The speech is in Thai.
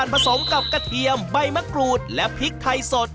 ตรงนี้ค่ะคือพริกโอ้โฮ